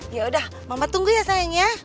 ya udah mama tunggu ya sayangnya